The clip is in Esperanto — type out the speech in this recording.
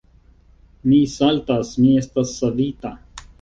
Mi saltas: mi estas savita.